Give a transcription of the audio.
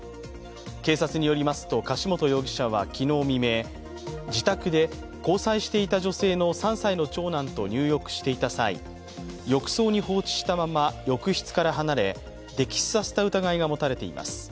警察によりますと、柏本容疑者は昨日未明、自宅で交際していた女性の３歳の長男と入浴していた際、浴槽に放置したまま浴室から離れ溺死させた疑いが持たれています。